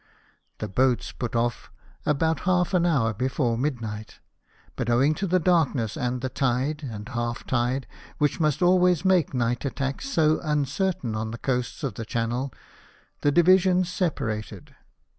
The boats put off about half an hour before midnight; but owing to the darkness and the tide and half tide, which must always make night attacks so un certain on the coasts of the Channel, the divisions separated.